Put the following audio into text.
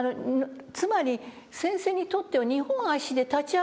つまり先生にとっては「二本足で立ち上がった生き物」っていう。